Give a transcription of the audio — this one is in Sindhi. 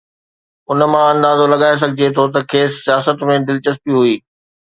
ان مان اندازو لڳائي سگهجي ٿو ته کيس سياست ۾ دلچسپي هئي.